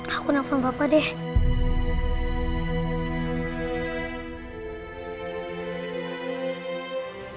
aku nelfon papa deh